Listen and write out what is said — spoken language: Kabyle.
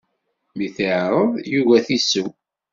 Mi t-iɛreḍ, yugi ad t-isew.